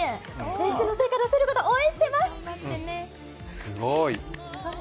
練習の成果出せることを応援しています。